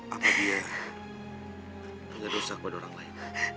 apa dia gak dosa kepada orang lain